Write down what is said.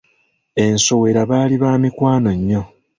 Nsowera baali ba mikwaano nnyo.